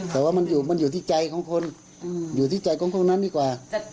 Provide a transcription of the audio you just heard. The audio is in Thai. แต่ว่ามันอยู่ที่ใจของคนอยู่ที่ใจของคนนั้นดีกว่า